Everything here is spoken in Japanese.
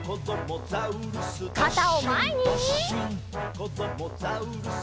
「こどもザウルス